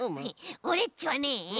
オレっちはね